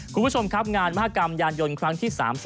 คุณผู้ชมครับงานมหากรรมยานยนต์ครั้งที่๓๐